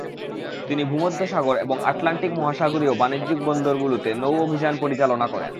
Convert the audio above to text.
তিনি ভূমধ্যসাগর এবং আটলান্টিক মহাসাগরীয় বাণিজ্যিক বন্দরগুলোতে নৌ অভিযান পরিচালনা করেন।